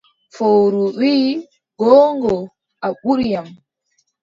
Fowru wii, goongo, a ɓuri am.